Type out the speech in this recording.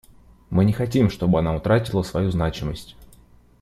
Мы не хотим, чтобы она утратила свою значимость.